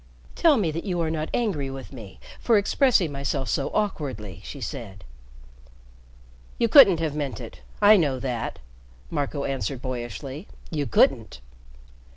"Tell me that you are not angry with me for expressing myself so awkwardly," she said. "You couldn't have meant it. I know that," Marco answered boyishly. "You couldn't."